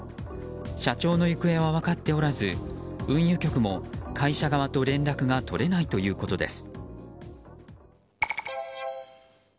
社長の行方は分かっておらず運輸局も会社側と連絡が取れないということです。